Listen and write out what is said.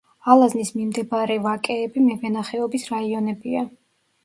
ალაზნის მიმდებარე ვაკეები მევენახეობის რაიონებია.